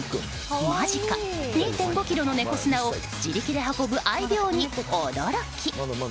マジか、２５ｋｇの猫砂を自力で運ぶ愛猫に驚き。